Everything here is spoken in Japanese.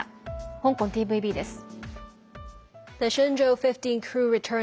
香港ＴＶＢです。